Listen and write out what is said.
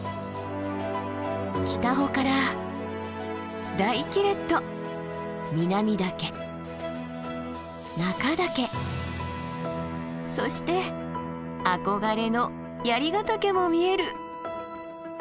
北穂から大キレット南岳中岳そして憧れの槍ヶ岳も見える！